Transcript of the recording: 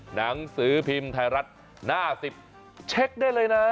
หนังสือพิมพ์ไทยรัฐหน้า๑๐เช็คได้เลยนะ